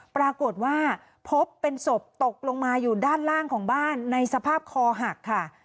ปรากฏว่าพบเป็นศพตกลงมาอยู่ด้านล่างของบ้านในสภาพคอหักค่ะ